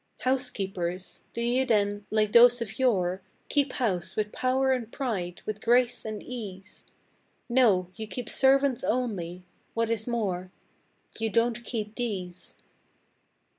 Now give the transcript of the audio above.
Housekeepers? Do you then, like those of yore, Keep house with power and pride, with grace and ease? No, you keep servants only! What is more You don't keep these!